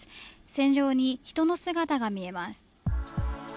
船上に人の姿が見えます。